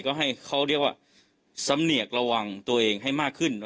ก็ให้เขาเรียกว่าสำเนียกระวังตัวเองให้มากขึ้น